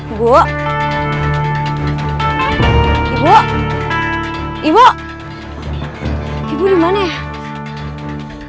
ibu ibu ibu ibu dimana ya